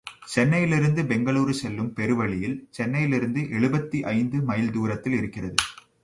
சென்னையிலிருந்து பெங்களூர் செல்லும் பெரு வழியில், சென்னையிலிருந்து எழுபத்தி ஐந்து மைல் தூரத்தில் இருக்கிறது.